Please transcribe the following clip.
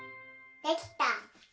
できた。